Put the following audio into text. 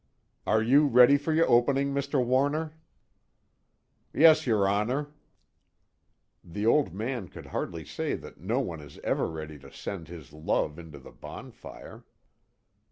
_ "Are you ready for your opening, Mr. Warner?" "Yes, your Honor." The Old Man could hardly say that no one is ever ready to send his love into the bonfire.